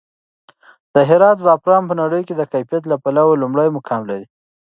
د هرات زعفران په نړۍ کې د کیفیت له پلوه لومړی مقام لري.